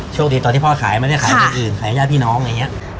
ช่วงดีตอนที่พ่อขายมันไม่ได้ขายคนอื่นขายแย่พี่น้องอย่างนี้